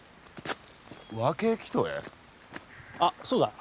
あっそうだ。